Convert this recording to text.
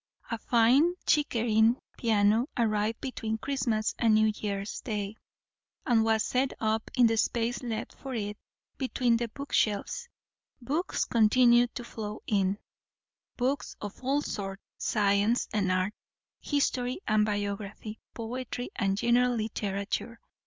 A fine Chickering piano arrived between Christmas and New Year's day, and was set up in the space left for it between the bookshelves. Books continued to flow in; books of all sorts science and art, history and biography, poetry and general literature.